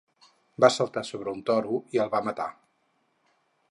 Va saltar sobre un toro i el va matar.